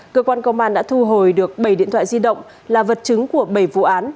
cơ quan công an đã thu hồi được bảy điện thoại di động là vật chứng của bảy vụ án